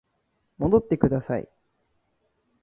戻ってください